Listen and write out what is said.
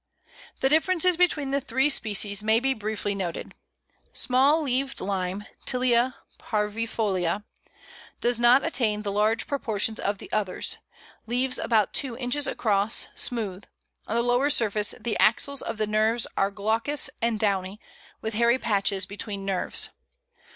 The differences between the three species may be briefly noted: SMALL LEAVED LIME (Tilia parvifolia). Does not attain the large proportions of the others. Leaves about two inches across, smooth; on the lower surface the axils of the nerves are glaucous and downy, with hairy patches between nerves.